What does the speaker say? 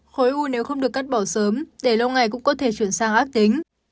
khối u nếu không được cắt bỏ sớm để lâu ngày cũng có thể chuyển sang ác tính